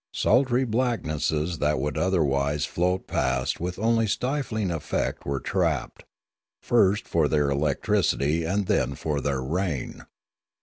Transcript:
Sultry blacknesses that would otherwise float past with only stifling effect were tapped, first for their electricity and then for their rain.